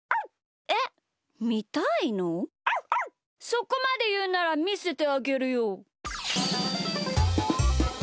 そこまでいうならみせてあげるよ。